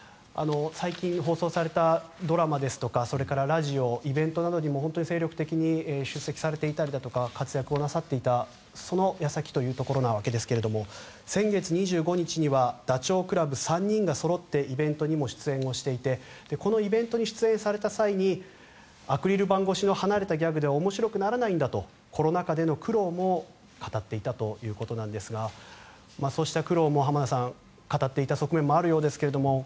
最近放送されたドラマですとかそれからラジオイベントなどにも本当に精力的に出席されていたりだとか活躍をなさっていた、その矢先というところなわけですが先月２５日にはダチョウ倶楽部３人がそろってイベントにも出演をしていてこのイベントに出演した際にアクリル板越しの芸では面白くならないんだとコロナ禍での苦労も語っていたということなんですがそうした苦労も浜田さん語っていた側面もあるようですが。